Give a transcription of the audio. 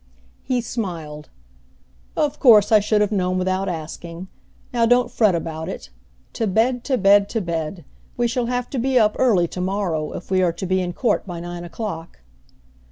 He smiled. "Of course I should have known without asking. Now don't fret about it. To bed, to bed, to bed! We shall have to be up early to morrow if we are to be in court by nine o'clock."